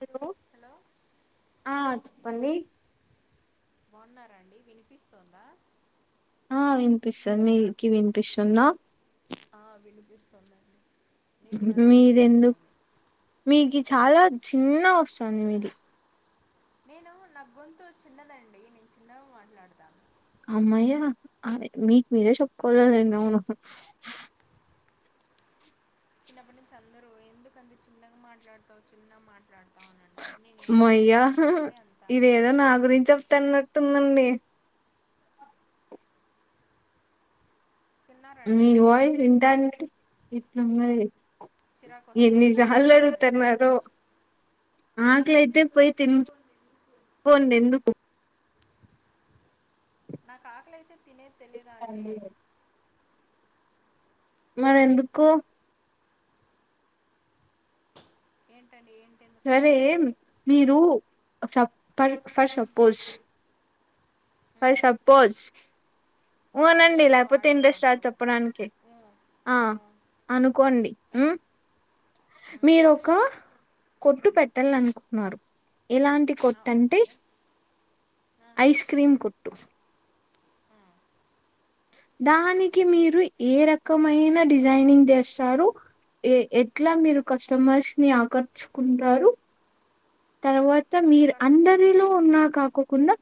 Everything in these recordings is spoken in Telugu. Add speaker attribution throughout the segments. Speaker 1: హలో ఆ చెప్పండి
Speaker 2: బాగున్నారండి వినిపిస్తోందా
Speaker 1: ఆ వినిపిస్తుంది మీకి వినిపిస్తుంద
Speaker 2: ఆ వినిపిస్తుందండి
Speaker 1: మీరెందు మీగి చాలా చిన్నగ వస్తుంది మీది
Speaker 2: నేను నా గొంతు చిన్నదండి నేను చిన్నగా మాట్లాడతాను
Speaker 1: అమ్మయ్య అది మీకు మీరే చెప్పుకోవాల అది అవును
Speaker 2: చిన్నప్పటి నుంచి అందరు ఎందుకు అంత చిన్నగా మాట్లాడతావు చిన్నగా మాట్లాడుతా
Speaker 1: హమ్మయ్య
Speaker 2: అంత
Speaker 1: ఇదేదో నా గురించి చెప్తానట్ ఉందండి మి
Speaker 2: తిన్నారండి
Speaker 1: వాయిస్ వినటానికి ఇట్ల ఉన్నది
Speaker 2: చిరాకు వస్తుందా నా
Speaker 1: ఎన్నిసార్లు
Speaker 2: వాయిస్ వింటుంటే మీకు
Speaker 1: అడుగుతున్నాడో ఆకలి అయితేే పోయి తిను పోండి ఎందుకు
Speaker 2: నాకు ఆకలి అయితే తినేది తెలియదా అండి
Speaker 1: మరి ఎందుకు
Speaker 2: ఏంటండి ఏం
Speaker 1: సరే మీరు సప్ ఫర్ సపోజ్ ఫర్ సపోజ్ వునండి
Speaker 2: ఆంగ్లము
Speaker 1: లేకపోతే ఇంట్రెస్ట్
Speaker 2: వాడరాదు
Speaker 1: రాదు చెప్పడానికి ఆ అనుకోండి మీరోక కొట్టు పెట్టాలనుకున్నారు ఎలాంటి
Speaker 2: ఆ
Speaker 1: కొట్టంటే
Speaker 2: ఓకే ఆ
Speaker 1: ఐస్ క్రీమ్ కొట్టు
Speaker 2: ఆ
Speaker 1: దానికి మీరు ఏ రకమైన డిజైనింగ్ చేస్తారు ఎ ఎట్లా మీరు కస్టమర్స్ ని ఆకర్చుకుంటారు. తర్వాత్ తర్వాత మీరు
Speaker 2: కష్
Speaker 1: అందరిలో ఉన్నా కాకోకుండా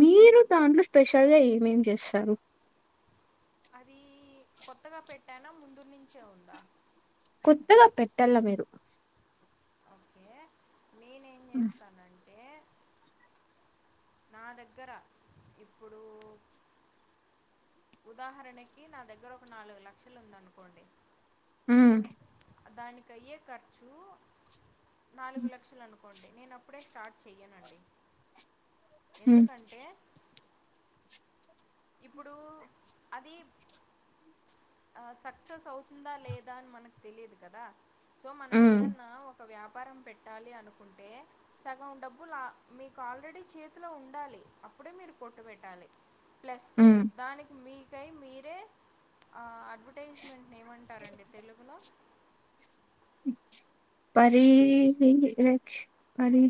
Speaker 1: మీరు దాంట్లో స్పెషల్ గ ఏమేం చేస్తరు
Speaker 2: అది కొత్తగా పెట్టాన ముందు నుంచే ఉంద
Speaker 1: కొత్తగా పెట్టాలా మీరు
Speaker 2: ఓకే నేనేం
Speaker 1: హు
Speaker 2: చేస్తానంటే నా దగ్గర ఇప్పుడు ఉదాహరణకి నా దగ్గర ఒక నాలుగు లక్షలు ఉందనుకోండి
Speaker 1: హమ్
Speaker 2: దానికి అయ్యే ఖర్చు నాలుగు లక్షలు అనుకో కోండి నేను అప్పుడే స్టార్ట్ చెయ్యనండి.
Speaker 1: ఉమ్
Speaker 2: ఎందుకంటే ఇప్పుడు అది సక్సెస్ అవుతుందా లేదా అని మనకు తెలియదు కదా సో మనం
Speaker 1: ఉమ్
Speaker 2: ఏదన్నా ఒక ఒక వ్యాపారం పెట్టాలి అనుకుంటే సగం డబ్బులు మీకు ఆల్రెడీ చేతిలో ఉండాలి అప్పుడే మీరు కొట్టుబెట్టాలి ప్లస్
Speaker 1: ఉమ్
Speaker 2: దానికి మీ కై మీరే ఆ అ అడ్వర్టైజ్మెంట్ని ఏమంటారండి తెలుగులో
Speaker 1: పరిరక్ష పరి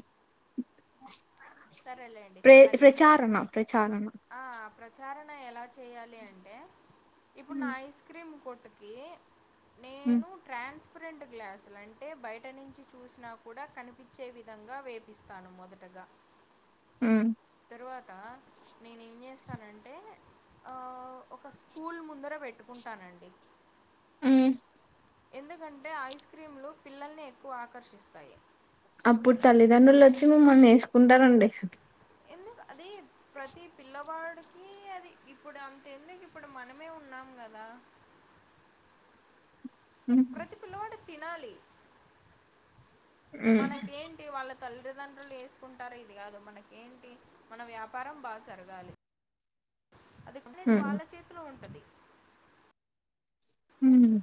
Speaker 2: సరేలేండి
Speaker 1: ప్రే
Speaker 2: అది
Speaker 1: ప్రచారణ ప్రచారణ
Speaker 2: ఆ! ప్రచారణ ఎలా చేయాలి అంటే ఇప్పుడు నా ఐస్ క్రీమ్ కొట్ అకే
Speaker 1: ఉ
Speaker 2: ట్రాన్స్పరెంట్ గ్లాసులు అంటే బయట నుంచి చూసినా కూడా కనిపించే విధంగా వేపిస్తాను మొదటగా
Speaker 1: ఉ
Speaker 2: తరువాత నేను ఏం చేస్తానంటే ఒక స్కూల్ ముందర పెట్టుకుంటానండి
Speaker 1: ఉమ్
Speaker 2: ఎందుకంటే ఐస్ క్రీంలు పిల్లల్ని ఎక్కువ ఆకర్షిస్తాయి
Speaker 1: అప్పుడు తల్లిదండ్రులు వచ్చి మిమ్మల్ని ఏసుకుంటారండి
Speaker 2: ఎందుకు అద ప్రతి పిల్లవాడికి అది ఇప్పుడు అంత ఎందుకు ఇప్పుడు మనమే ఉన్నాం కదా
Speaker 1: ఉ
Speaker 2: తినాలి మనకేంటి వాళ్ళ తల్లిదండ్రులు వేసుకుంటారు ఇది కాదు మనక ఏేంటి మన వ్యాపారం బాగా జరగాలి అదినేది వాళ్ళ చేతిలో ఉంటది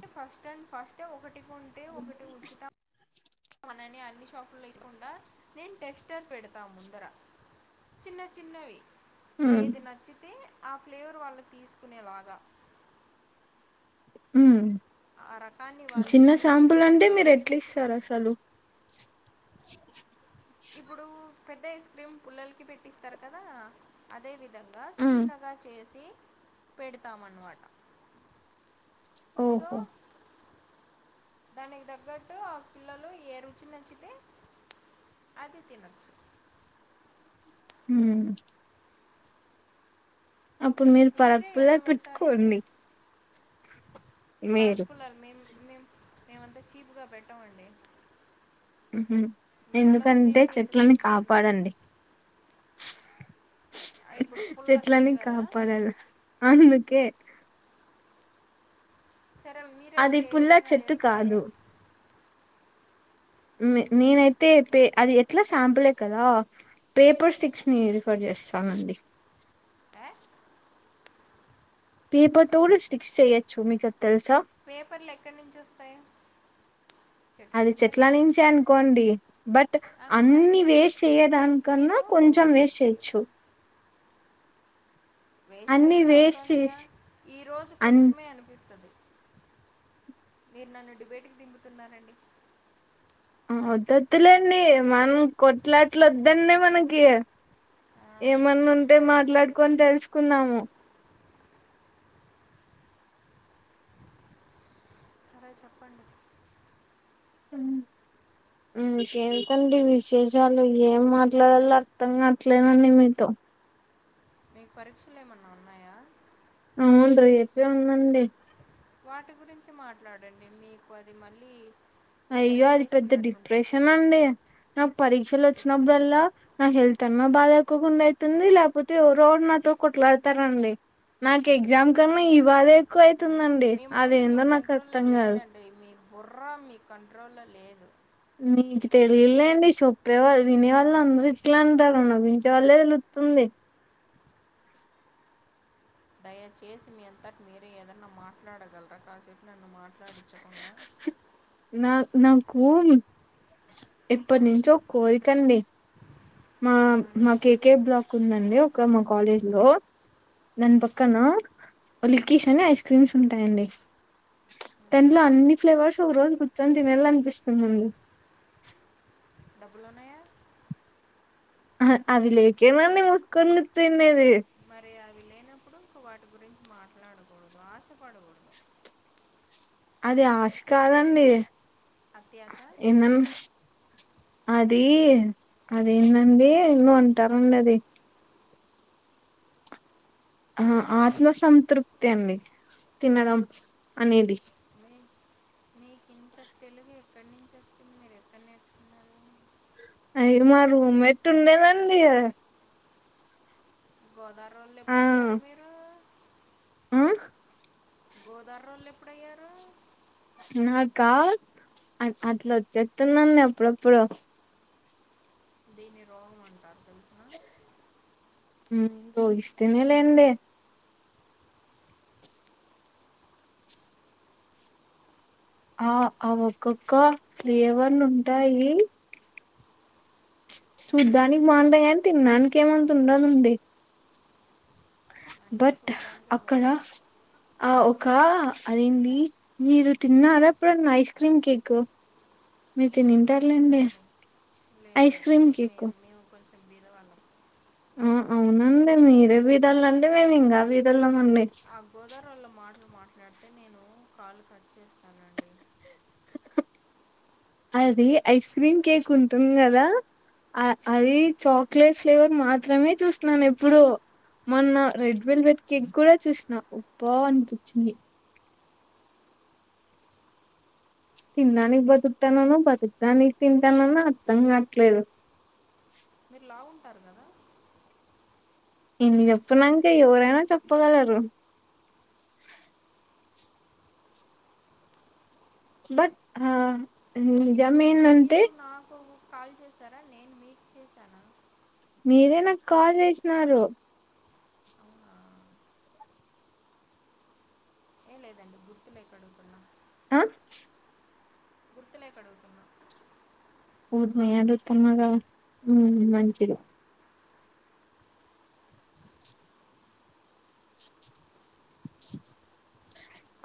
Speaker 2: ఏ ఫస్టండ్ ఫస్ట్ ఒకటి ప అనని అన్ని షాపులు ఇవయకుండా నేను టెక్స్టర్స్ పెడతా ముందర చిన్న చిన్నవి ఏది నచ్చితే ఆ ఫ్లేవర్ వాళ్ళకి తీసుకునేలాగా
Speaker 1: ఉ
Speaker 2: ఆ రకాన్ని వాళ్ళు
Speaker 1: చిన్న
Speaker 2: తిని
Speaker 1: శాంపుల్
Speaker 2: రుచి
Speaker 1: అంటే మీరు
Speaker 2: చూసి
Speaker 1: ఎట్లు ఇస్తారు
Speaker 2: తీసుకోవచ్చు
Speaker 1: అసలు
Speaker 2: ఇప్పుడు పెద్ద ఐస్ క్రీమ్ పుల్లలకి పెట్టిస్తారు కదా అదే విధ పెద్దగా చిన్నగా చేసి పెడతాం అన్నమాట
Speaker 1: ఓహో
Speaker 2: దానికి తగ్గట్టు ఆ పిల్లలు ఏ రుచి నచ్చితే అది తినొచ్చు
Speaker 1: ఉ అప్పుడు మీరు
Speaker 2: మీరే
Speaker 1: పరపెక్కులా పెట్టుకోండి మీరు
Speaker 2: పరక్కులలు మేం మేం మేమంతా చీప్గా పెట్టామండి
Speaker 1: ఎందుకంటే
Speaker 2: ఏంది ఇంత
Speaker 1: చెట్లని
Speaker 2: చీప్గా ఉంది
Speaker 1: కాపాడండి
Speaker 2: ఆ, ఇప్పుడు పుల్ల చెట్టు
Speaker 1: చెట్లని
Speaker 2: కదా
Speaker 1: కాపాడారు అందుకే
Speaker 2: సరే మీరైతే
Speaker 1: అది
Speaker 2: ఏ
Speaker 1: పుల్ల
Speaker 2: విధంగా
Speaker 1: చెట్టు
Speaker 2: చేస్తారు
Speaker 1: కాదు నేనైతే పే అది ఎట్లా శాంపులే కదా పేపర్ స్టిక్స్ ని రిఫర్ చేస్తానండి
Speaker 2: ఏ
Speaker 1: పేపర్ తోడు స్టిక్స్ చెయ్యొచ్చు మీకు అది తెలుసా
Speaker 2: పేపర్లు ఎక్కడ్ నుంచి వస్తాయి చెట్టు
Speaker 1: అది చెట్ల
Speaker 2: నుంచేగా
Speaker 1: నుంచి అనుకోండి బట్
Speaker 2: అంగ మరి
Speaker 1: అన్ని వేస్ట్
Speaker 2: మీ మీరు
Speaker 1: చేయ్యేదానికన్నా కొంచెం వేస్ట్ చేయచ్చు
Speaker 2: వేస్ట్ అయితే
Speaker 1: వేస్ట్
Speaker 2: అవుతుందిగా
Speaker 1: చేసి
Speaker 2: ఈ రోజు
Speaker 1: అన్
Speaker 2: కొంచెమే అనిపిస్తుంది మీరు నన్ను డిబేట్కిి దింపుతున్నారండి
Speaker 1: వద్దద్దులేండి మనం కొట్లాట్లు వద్దన్నే మనకి
Speaker 2: ఆ,
Speaker 1: ఏమన్నా ఉంటే
Speaker 2: మరి
Speaker 1: మాట్లాడుకని తెలుసుకున్నాము
Speaker 2: సరే చెప్పండి
Speaker 1: ఇంకేంతండి విశేషాలు ఏం మాట్లాడాలో అర్థం కావట్లేదండి మీతో
Speaker 2: మీకు పరీక్షలు ఏమన్నా ఉన్నాయా
Speaker 1: అవును రేపే ఉందండి
Speaker 2: వాటి గురించి మాట్లాడండి మీకు అది మళ్ళీ
Speaker 1: అయ్యో
Speaker 2: నెమరు
Speaker 1: అది పెద్ద
Speaker 2: వేసుకున్నట్టు ఉంటుంది
Speaker 1: డిప్రెషన్
Speaker 2: కదా
Speaker 1: అండి నాకు పరీక్షలు
Speaker 2: ఏ-
Speaker 1: వచ్చినప్పుడల్లా నా హెల్త్ అన్నా బాధ ఎక్కువగాండ అవుతుంది లేకపోతే ఎవరెవరు నాతో కొట్లాడతారంండి నాకు ఎగ్జామ్ కన్నా ఈ బాధ ఎక్కువయి అతుందండి
Speaker 2: మీ
Speaker 1: అదేందో నాకు అర్థం కాదు
Speaker 2: బుర్రా మీ కంట్రోల్లో లేదు
Speaker 1: నీకు తెలియలేండి చెొప్పేవాళ్ళ వినేవాళ్ళు అందరుూ ఇట్లా అంటారు నవించే వాళ్ళే తెలుత్తుంది
Speaker 2: దయచేసి మీ అంతటి మీరే ఏదన్నా మాట్లాడగలరా కాసేపు నన్ను మాట్లాడించకుండా
Speaker 1: నా నాకు ఎప్పటి నుంచో ఒక కోరికండి
Speaker 2: ఏమని
Speaker 1: మాకకే బ్లాక్ ఉందండి ఒక మా కాలేజ్ లో దాని పక్కన లిక్కీష్ అని ఐస్ క్రీమ్స్ ఉంటాయండి దాంట్లో అన్ని ఫ్లేవర్స్ ఒక రోజు కూర్చొని తినాల అనిపిస్తుందిండి
Speaker 2: డబ్బులు ఉన్నాయా
Speaker 1: అవిలేకే నుండి మూసుకుని కూర్చునేది.
Speaker 2: మరి అవి లేనప్పుడు ఇ వాటి గురించి మాట్లాడకూడదు ఆశపడ
Speaker 1: అది ఆశ కాదండి
Speaker 2: అత్యాశ
Speaker 1: ఇన్నంష్ అది అదేందండి నువ అంటారండి అది ఆ ఆత్మసంతృప్తి అండి తినడం అనేది
Speaker 2: మీ మీకు ఇంత తెలుగు ఎక్కడి నుంచి వచ్చింది మీరు ఎక్కడ నేర్చుకున్నారు అ
Speaker 1: అయ్య మా రూమ్మెట్ ఉండేదండి
Speaker 2: గోదార్ వోళ్ళు
Speaker 1: ఆ
Speaker 2: ఎప్పుడయ్యారు మీరు
Speaker 1: ఆ
Speaker 2: గోదార్ వొళ్ళు ఎప్పుడయ్యారు
Speaker 1: నాకా అట్లా వచ్చేత్తుందండి అప్పుడుఅప్పుడు
Speaker 2: దీన్ని రోగమ్ అంటారు తెలిసిన
Speaker 1: జోగిస్తేనే లేండి ఆ ఆ ఒక్కొక్క ఫ్లేవర్ లు ఉంటాయి చూద్దనికి బాగుంటాయి అని తిినడానికి ఏమంత ఉండదండి
Speaker 2: అన్నీ
Speaker 1: బట్
Speaker 2: చూడడానికి
Speaker 1: అక్కడ
Speaker 2: బాగుంటాయి
Speaker 1: ఆ కా అదేడి మీరు తిన్నారా ఎప్పుడున్న ఐస్ క్రీమ్ కేక్ మీరు తింటారులేండి
Speaker 2: లేదండి
Speaker 1: ఐస్ క్రీమ్ కేక్
Speaker 2: పేద వాళ్ళం
Speaker 1: ఆ అవునండి మీరే బీధాలంటే మేము ఇంకా బీథోలం ఉమ్ ఏస్
Speaker 2: తింగరోళ్ళ మాటలు మాట్లాడితే నేను కాలు కట్ చేస్తానండి
Speaker 1: అది ఐస్ క్రీమ్ కేక్ ఉంటుంది కదా అ అది చాక్లెట్ ఫ్లేవర్ మాత్రమే చూసినను ఎప్పుడు మొన్న రెడ్ వెల్వెట్ కేక్ కూడా చూసిన బాగా అనిపించింది తిినడానికి బతుకుతానను బతుకుడానికి తింటానను అర్థం కాట్లేదు
Speaker 2: మీరు లావు ఉంటారు కదా
Speaker 1: ఇన్ని చెప్తున్నానంటే ఎవరైనా చెప్పగలరు బట్ హా
Speaker 2: ఇప్పుడు
Speaker 1: నిజమేనంటే
Speaker 2: మీరు నాకు కాల్ చేశారా నేను మీకు చేశానా
Speaker 1: మీరే నాకు కాల్ చేసినారు
Speaker 2: అవునా ఏం లేదండి గుర్తు లేక అడుగుతున్నా
Speaker 1: ఆ
Speaker 2: గుర్తు లేక అడుగుతున్నాను
Speaker 1: పోద్ మెయ్యగా పోధీ తమగా ఉ మంచిది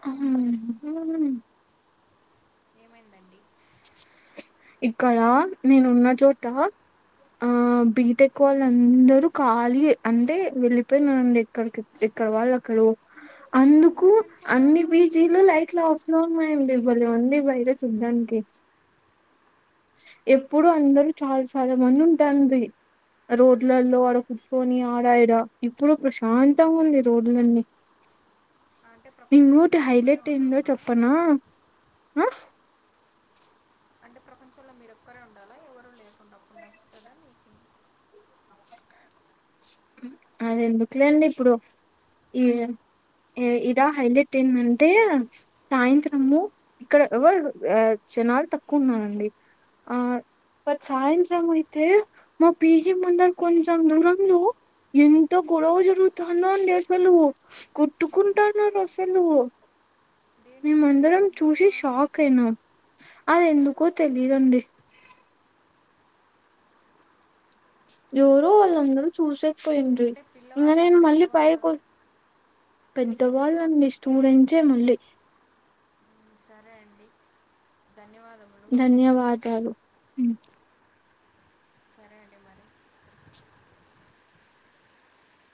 Speaker 1: ఆ
Speaker 2: ఏమైందండి
Speaker 1: ఇక్కడ నేను ఉన్న చోట ఆ బీటెక్ వాళ్ళు అందరూ ఖళీ అంటే వెళ్ళిపోయిననండి ఎక్కడికి ఎక్కడ వాళ్ళు అక్కడ అందుకు
Speaker 2: ఎందుకు
Speaker 1: అన్ని
Speaker 2: వెళ్ళిపోయారు
Speaker 1: బీజీలు లైట్లు ఆఫ్ లో ఉన్నాయండిలే భలే ఉంది బయట చూడ్డానికి ఎప్పుడు అందరూ చాలా చాలా మంది ఉంటారండి రోడ్లలో అడుక్కొని ఆడ ఈడ ఇప్పుడు ప్రశాంతంగా ఉంది రోడ్లన్నీ
Speaker 2: అంటే ప్రపంచంలో
Speaker 1: ఇంకోటి
Speaker 2: మీరు ఒక్కరే
Speaker 1: హైలైట్ అయిందో
Speaker 2: ఉండాలనా
Speaker 1: చెప్పనా ఆ
Speaker 2: అంటే ప్రపంచంలో మీర ఒక్కరే ఉండాలా ఎవరు లేకుండా అప్పుడు నచ్చుతుందా మీకు
Speaker 1: అది ఎందుకులే అండి ఇప్పుడు ఈ ఇదా హైలైట్ ఎన్ టంటే అంటే సాయంత్రము ఇక్కడ ఎవరు జనాలు తక్కువ ఉన్నారండి ఆ సాయంత్రం అయితే మా పీజీ ముంద కొంచెం దూరంలో ఎంత గొడవ జరుగుతాందో తెలుసుకో నువ్వు
Speaker 2: దేనికి
Speaker 1: కుట్టుకుంటాన్నారు అసలు మేమ
Speaker 2: దేనికి
Speaker 1: అందరం
Speaker 2: జరిగింది గొడవ
Speaker 1: చూసి షాక్ అయినాం అది ఎందుకో తెలియదండి జరు అళంద చూసే పోయింది
Speaker 2: అంటే పిల్లవాళ్ళ
Speaker 1: ఇనే మళ్ళీ
Speaker 2: పెద్దవాళ్ళ
Speaker 1: పయకి పెద్దవాళ్ళ స్టూడెంట్ ఏ మళ్ళీ
Speaker 2: సరే అండి ధన్యవాదాలు
Speaker 1: ధన్యవాదాలు
Speaker 2: సరే అండి మరి